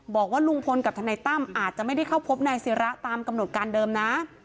บอกว่าลุงพลกับทนายตั้มอาจจะไม่ได้เข้าพบนายศิระตามกำหนดการเดิมนะ